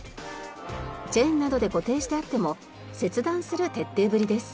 チェーンなどで固定してあっても切断する徹底ぶりです。